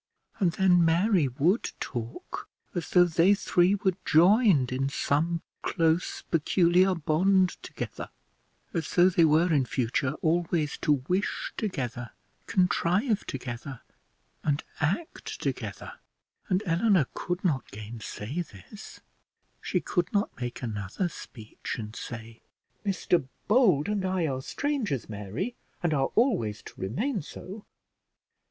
And then Mary would talk as though they three were joined in some close peculiar bond together; as though they were in future always to wish together, contrive together, and act together; and Eleanor could not gainsay this; she could not make another speech, and say, "Mr Bold and I are strangers, Mary, and are always to remain so!"